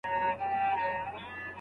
که بدلون ونه منئ نو وروسته پاته کېږئ.